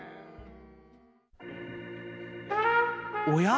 おや？